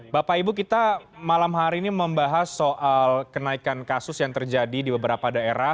bapak ibu kita malam hari ini membahas soal kenaikan kasus yang terjadi di beberapa daerah